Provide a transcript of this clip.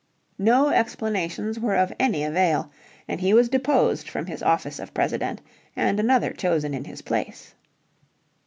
No explanations were of any avail, and he was deposed from his office of President and another chosen in his place.